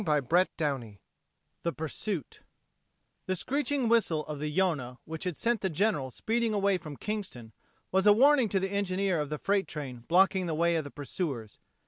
CHAPTER ELEVEN THE PURSUIT The screeching whistle of the Yonah, which had sent the General speeding away from Kingston, was a warning to the engineer of the freight train blocking the way of the pursuers.